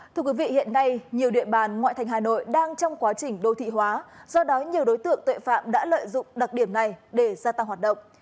thưa quý vị hiện nay nhiều địa bàn ngoại thành hà nội đang trong quá trình đô thị hóa do đó nhiều đối tượng tội phạm đã lợi dụng đặc điểm này để gia tăng hoạt động